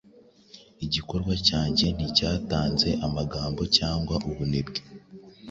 Igikorwa cyanjye nticyatanze amagambo cyangwa ubunebwe